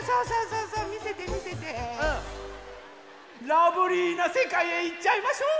ラブリーなせかいへいっちゃいましょう！